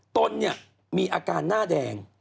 ตนเนี่ยมีอาการหน้าแดง